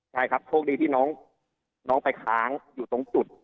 ใช่ครับโชคดีที่น้องไปค้างอยู่ตรงจุด